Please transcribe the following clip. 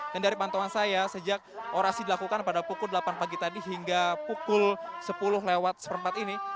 dan dari pantauan saya sejak orasi dilakukan pada pukul delapan pagi tadi hingga pukul sepuluh lewat satu empat ini